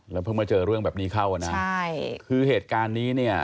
แล้วเพิ่งมาเจอเรื่องแบบนี้เข้าอ่ะนะใช่คือเหตุการณ์นี้เนี่ย